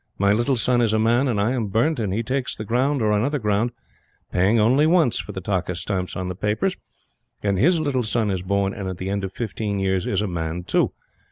My little son is a man, and I am burnt, and he takes the ground or another ground, paying only once for the takkus stamps on the papers, and his little son is born, and at the end of fifteen years is a man too.